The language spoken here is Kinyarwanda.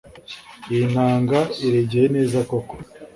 iyi nanga iregeye neza, koko